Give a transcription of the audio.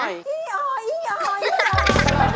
อี้ออยอี้ออยอี้ออย